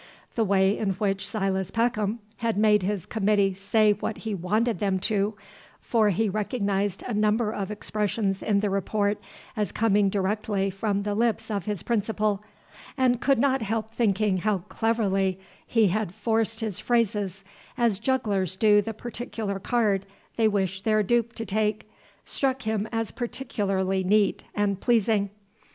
The way in which Silas Peckham had made his Committee say what he wanted them to for he recognized a number of expressions in the Report as coming directly from the lips of his principal, and could not help thinking how cleverly he had forced his phrases, as jugglers do the particular card they wish their dupe to take struck him as particularly neat and pleasing.